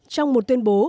trong một tuyên bố